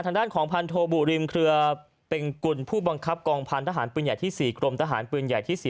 ทางด้านของพันโทบุริมเครือเป็งกุลผู้บังคับกองพันธหารปืนใหญ่ที่๔กรมทหารปืนใหญ่ที่๔